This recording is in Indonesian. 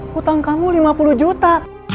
hutang kamu lima puluh juta